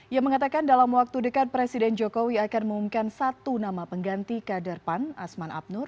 ia mengatakan dalam waktu dekat presiden jokowi akan mengumumkan satu nama pengganti kader pan asman abnur